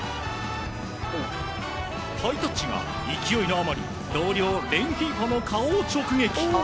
ハイタッチが勢いのあまり同僚レンヒーフォの顔を直撃。